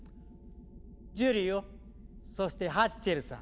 ジュリオそしてハッチェルさん。